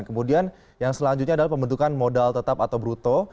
kemudian yang selanjutnya adalah pembentukan modal tetap atau bruto